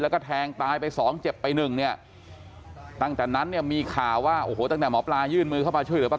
แล้วก็แทงตายไป๒เจ็บไป๑ตั้งแต่นั้นมีข่าวว่าตั้งแต่หมอปลายื่นมือเข้ามาช่วยหรือเปล่า